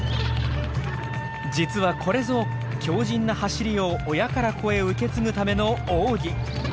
実はこれぞ強じんな「走り」を親から子へ受け継ぐための奥義。